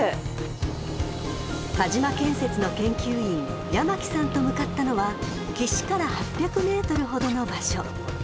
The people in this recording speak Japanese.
［鹿島建設の研究員山木さんと向かったのは岸から８００ｍほどの場所］